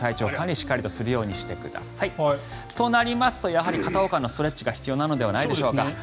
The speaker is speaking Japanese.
しっかりするようにしてくださいとなりますとやはり片岡のストレッチが必要なのではないでしょうか。